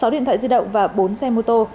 sáu điện thoại di động và bốn xe mô tô